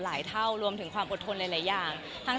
แต่ว่าเราสองคนเห็นตรงกันว่าก็คืออาจจะเรียบง่าย